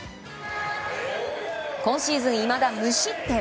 今シーズンいまだ無失点。